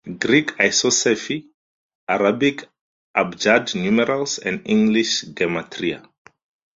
Greek isopsephy, Arabic abjad numerals, and English gematria.